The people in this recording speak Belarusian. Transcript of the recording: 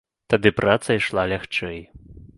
Тады праца ішла лягчэй.